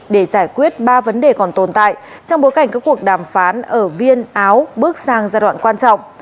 để giải quyết ba vấn đề còn tồn tại trong bối cảnh các cuộc đàm phán ở viên áo bước sang giai đoạn quan trọng